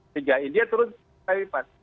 sehingga india turun kali lipat